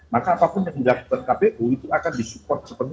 maka apapun yang dilakukan kpu itu akan disupport sepenuhnya